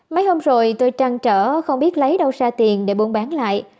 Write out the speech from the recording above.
mấy hôm rồi tôi trăng trở không biết lấy đâu ra tiền để buôn bán lại